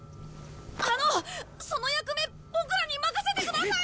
あのその役目ボクらに任せてください！